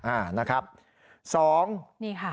กล่องนี้นะฮะจะน่าถึงบลองออฟพันธ์ตำรวจโทวิทูล